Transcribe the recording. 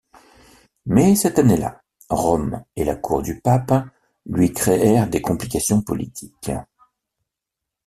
Mais cette année-là, Rome et la cour du pape lui créèrent des complications politiques.